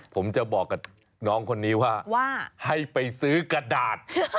ผมจะบอกกับน้องคนนี้ว่าให้ไปซื้อกระดาษ